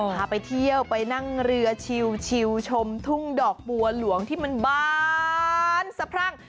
พาไปเที่ยวไปนั่งเรือชิวชมทุ่งดอกบัวหลวงที่มันบานสะพรั่ง